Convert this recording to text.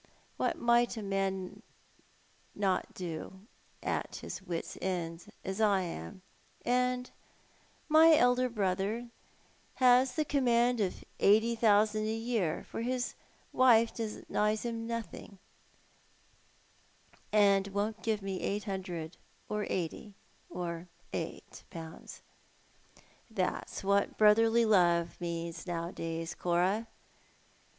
What might not a man do, at his wits' ends as I am ': And my elder brother has the command of eighty thousand a Home Questions. 265 year, for his wife denies him notliing, and won't give me eight Imudred, or eighty, or eight pouuds. That's what brotherly love means nowadays, Cora.